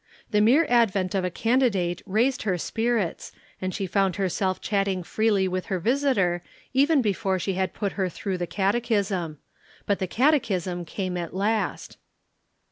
The mere advent of a candidate raised her spirits and she found herself chatting freely with her visitor even before she had put her through the catechism. But the catechism came at last.